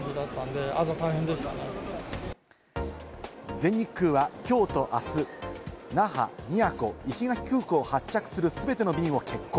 全日空はきょうとあす、那覇・宮古・石垣空港を発着する全ての便を欠航。